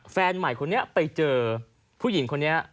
แฟนใหม่คนนี้ไปเจอผู้หญิงคนนี้